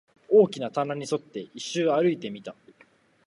大きな柵に沿って、一周歩いてみた